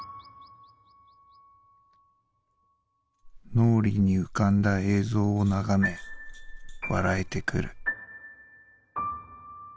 「脳裏に浮かんだ映像を眺め笑えてくる」。